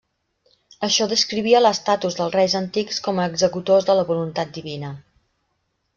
Això descrivia l'estatus dels reis antics com a executors de la voluntat divina.